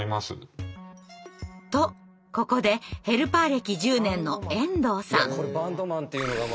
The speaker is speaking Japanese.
とここでヘルパー歴１０年の遠藤さん。